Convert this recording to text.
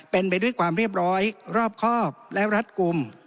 เป็นไปด้วยความเรียบร้อยรอบครอบและรัดกลุ่ม